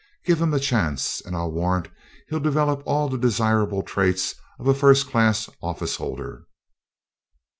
Give him a chance and I'll warrant he'll develop all the desirable traits of a first class office holder."